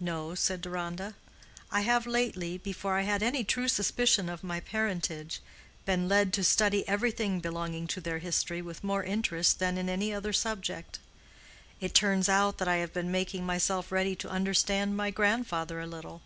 "No," said Deronda, "I have lately, before I had any true suspicion of my parentage, been led to study everything belonging to their history with more interest than any other subject. It turns out that I have been making myself ready to understand my grandfather a little."